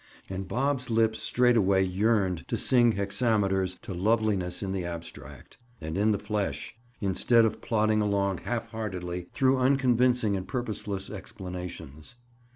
And Bob's lips straightway yearned to sing hexameters to loveliness in the abstract—and in the flesh—instead of plodding along half heartedly through unconvincing and purposeless explanations.